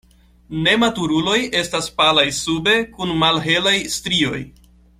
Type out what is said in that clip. Nematuruloj estas palaj sube kun malhelaj strioj.